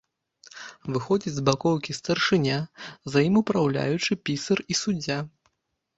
Выходзіць з бакоўкі старшыня, за ім упраўляючы, пісар і суддзя.